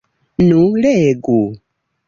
Nu, legu!